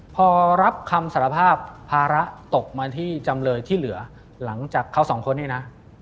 พอรับคำสารภาพภาระตกมาที่จำเลยที่เหลือหลังจากเขาสองคนนี้นะ